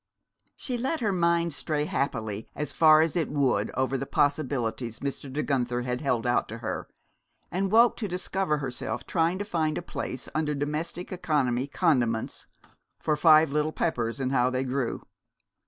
She let her mind stray happily as far as it would over the possibilities Mr. De Guenther had held out to her, and woke to discover herself trying to find a place under "Domestic Economy Condiments" for "Five Little Peppers and How They Grew."